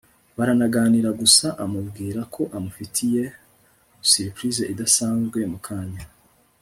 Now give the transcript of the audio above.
baranaganira gusa amubwira ko amufitiye surprise idasanzwe mukanya